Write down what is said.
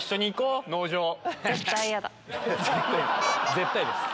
「絶対」です。